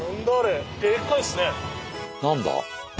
何だ？